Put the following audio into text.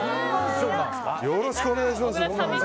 よろしくお願いします。